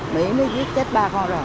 bị nó giết chết ba con rồi